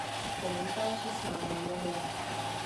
Komentáře sám namluvil.